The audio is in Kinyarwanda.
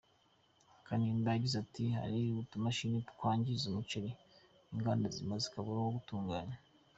Kanimba yagize ati “Hari utumashini twangiza umuceri, inganda nzima zikabura uwo gutunganya.